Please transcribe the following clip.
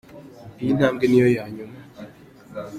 Iyi ntambwe ni yo ya nyuma.